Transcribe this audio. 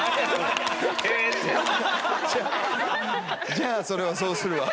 じゃあそれはそうするわ。